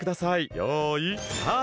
よいスタート！